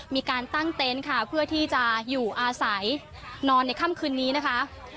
มีการตั้งเต็นต์ค่ะเพื่อที่จะอยู่อาศัยนอนในค่ำคืนนี้นะคะ